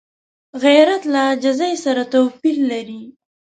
غیرت له عاجزۍ سره توپیر لري